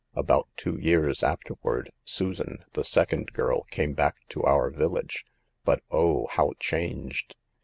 About two years afterward, Susan, the second girl, came back to our village, but oh, how changed!